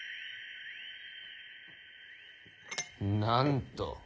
なんと。